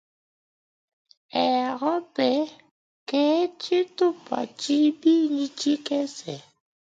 Europe ke tshitupa tshibidi tshikese.